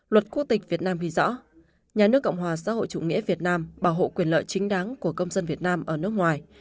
luật quốc tịch việt nam ghi rõ nhà nước cộng hòa xã hội chủ nghĩa việt nam bảo hộ quyền lợi chính đáng của công dân việt nam ở nước ngoài